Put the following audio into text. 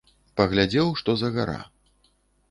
Паглядзеў, што за гара.